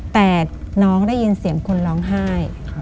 แต่น้องได้ยินเสียงคนร้องไห้